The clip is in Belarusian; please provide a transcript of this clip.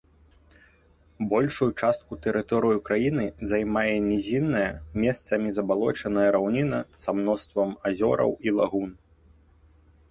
Большую частку тэрыторыі краіны займае нізінная, месцамі забалочаная раўніна са мноствам азёр і лагун.